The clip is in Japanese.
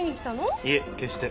いえ決して。